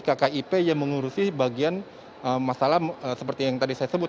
kkip yang mengurusi bagian masalah seperti yang tadi saya sebut